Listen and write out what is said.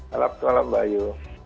salam selalu mbak ayu